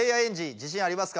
自信ありますか？